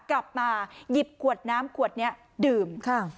กลับมาหยิบขวดน้ำขวดนี้ดื่ม